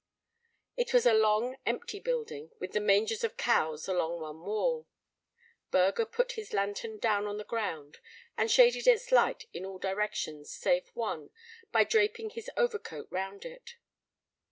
It was a long, empty building, with the mangers of the cows along one wall. Burger put his lantern down on the ground, and shaded its light in all directions save one by draping his overcoat round it.